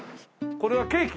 これはケーキ？